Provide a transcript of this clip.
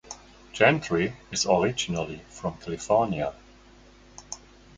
Gentry is originally from California.